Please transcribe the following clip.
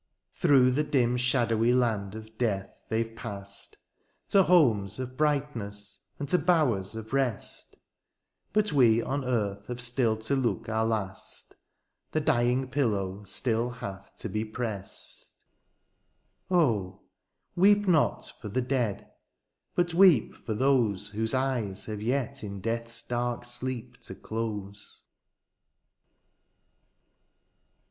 Through the dim shadowy land of death they've past, To homes of brightness, and to bowers of rest; But we on earth have still to look our last ; The dying pillow still hath to be prest ; Oh ! weep not for the dead, but weep for those Whose eyes have yet in death's dark sleep to close.